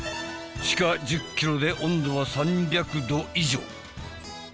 地下１０ｋｍで温度は３００℃以上。